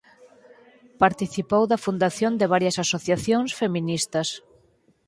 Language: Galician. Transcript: Participou da fundación de varias asociacións feministas.